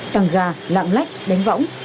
tăng ga lạng lách đánh võng